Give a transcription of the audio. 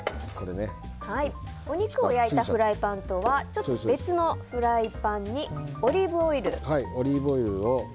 お肉を焼いたフライパンとは別のフライパンにオリーブオイルを。